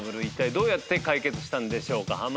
いったいどうやって解決したんでしょうか？